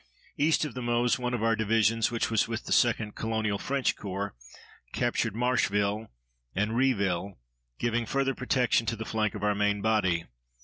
East of the Meuse one of our divisions, which was with the 2d Colonial French Corps, captured Marcheville and Rieville, giving further protection to the flank of our main body.